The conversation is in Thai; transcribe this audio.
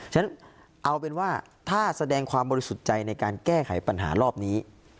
ฉะนั้นเอาเป็นว่าถ้าแสดงความบริสุทธิ์ใจในการแก้ไขปัญหารอบนี้